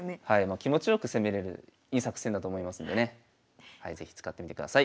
気持ちよく攻めれるいい作戦だと思いますんでね是非使ってみてください。